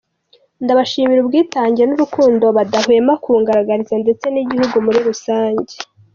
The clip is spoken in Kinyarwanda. Ndabashimira ubwitange n'urukundo badahwema kungaragariza ndetse n'igihugu muri rusange.